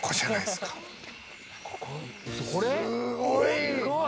すごい！